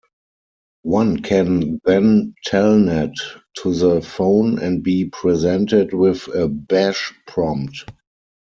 One can then telnet to the phone and be presented with a bash prompt.